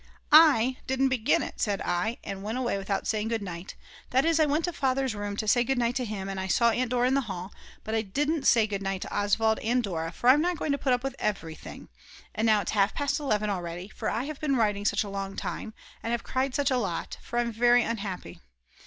"I didn't begin it," said I, and went away without saying goodnight; that is I went to Father's room to say goodnight to him and I saw Aunt Dora in the hall, but I didn't say goodnight to Oswald and Dora, for I'm not going to put up with everything. And now it's half past 11 already, for I have been writing such a long time, and have cried such a lot, for I'm very unhappy.